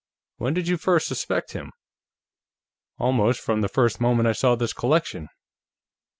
"When did you first suspect him?" "Almost from the first moment I saw this collection."